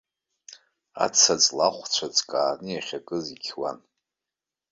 Аца-ҵла ахәцәа ҵкааны иахьакыз иқьуан.